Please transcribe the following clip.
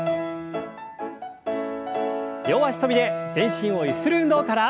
両脚跳びで全身をゆする運動から。